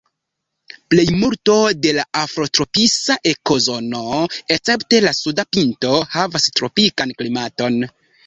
Plejmulto de la afrotropisa ekozono, escepte la suda pinto, havas tropikan klimaton.